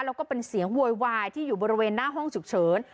แล้วก็เป็นเสียงโวยวายที่อยู่บริเวณหน้าห้องฉุกเฉิน